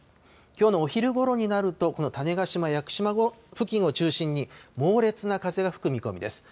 きょうのお昼ごろになると、この種子島・屋久島付近を中心に、猛烈な風が吹く見込みです。